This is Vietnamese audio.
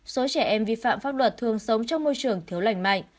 số trẻ em vi phạm pháp luật thường sống trong môi trường thiếu lành mạnh